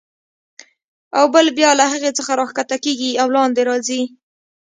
او بل بیا له هغې څخه راکښته کېږي او لاندې راځي.